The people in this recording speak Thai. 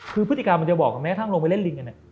คือพฤติกาบอกกับแม่ทั่งลงไปเล่นลิงกัน